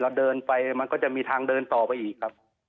เดินไปมันก็จะมีทางเดินต่อไปอีกครับ